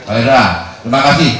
oleh doa terima kasih